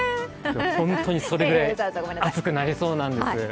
本当にそれぐらい暑くなりそうなんです。